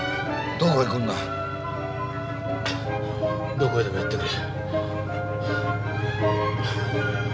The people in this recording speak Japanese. どこへでも行ってくれ。